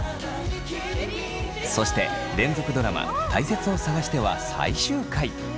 そして連続ドラマ「たいせつを探して」は最終回。